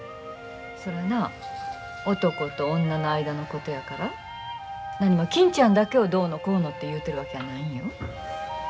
そらな男と女の間のことやからなにも金ちゃんだけをどうのこうのて言うてるわけやないんよ。